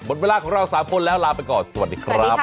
เวลาของเรา๓คนแล้วลาไปก่อนสวัสดีครับ